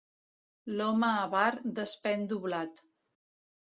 L'home avar despèn doblat.